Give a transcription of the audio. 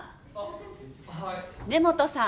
根本さん。